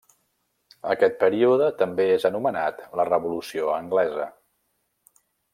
Aquest període també és anomenat la Revolució Anglesa.